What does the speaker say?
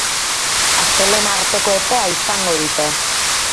Astelehena arteko epea izango dute.